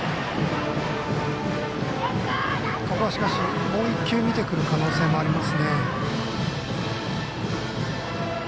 ここはしかし、もう一球見てくる可能性もありますね。